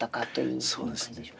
そうです。